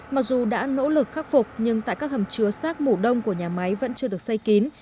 mặc dù đã nỗ lực khắc phục nhưng tại các hầm chứa sát mổ đông của nhà máy vẫn chưa được xây kín